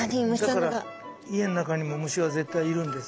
だから家ん中にも虫は絶対いるんです。